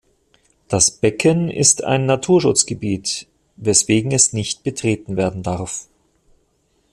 Das Becken ist ein Naturschutzgebiet, weswegen es nicht betreten werden darf.